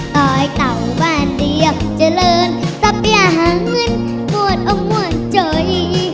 ต่อยเต่าบ้านเดียวเจริญทรัพยาหาเงินมวดอ่อนมวดจ๋อย